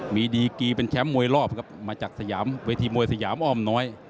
มีดีกีเป็นแชมป์มวยรอบครับมาจากสยามเวทีมวยสยามอ้อมน้อย